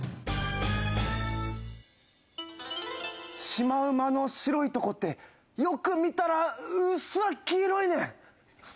シマウマの白いとこってよく見たらうっすら黄色いねん。